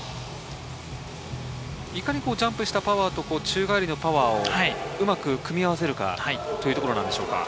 いかにジャンプしたパワーと宙返りのパワーをうまく組み合わせるかというところなんでしょうか。